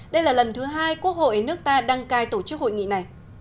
đây là lần thứ hai quốc hội nước ta đăng cai tổ chức hội nghị này